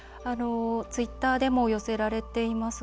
ツイッターでも寄せられています。